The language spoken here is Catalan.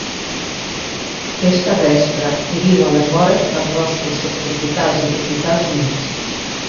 És terrestre i viu a les vores dels boscos subtropicals i tropicals humits.